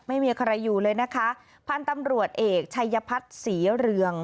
ไม่มีใครอยู่เลยนะคะพันธุ์ตำรวจเอกชัยพัฒน์ศรีเรือง